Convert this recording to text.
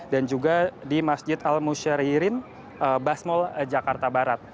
di masjid al musharirin basmol jakarta barat